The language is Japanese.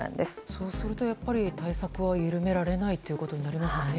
そうすると、やっぱり対策は緩められないということになりますかね。